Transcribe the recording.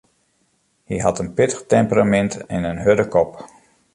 Hy hat in pittich temperamint en in hurde kop.